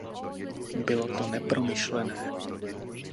Bylo to nepromyšlené.